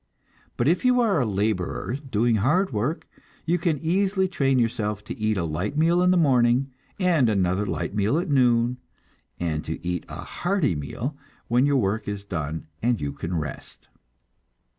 But if you are a laborer doing hard work, you can easily train yourself to eat a light meal in the morning, and another light meal at noon, and to eat a hearty meal when your work is done and you can rest.